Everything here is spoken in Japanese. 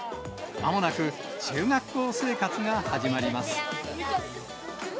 まもなく中学校生活が始まります。